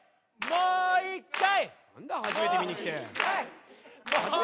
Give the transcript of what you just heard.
もう１回！